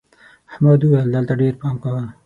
احمد وويل: دلته ډېر پام کوه.